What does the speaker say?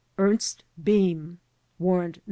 Ernest Behm (Warrant No.